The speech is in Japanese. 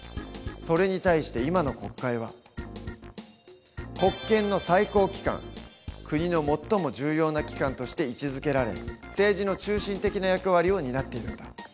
それに対して今の国会は国の最も重要な機関として位置づけられ政治の中心的な役割を担っているんだ。